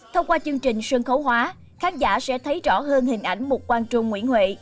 thông qua chương trình sân khấu hóa khán giả sẽ thấy rõ hơn hình ảnh một quang trung nguyễn huệ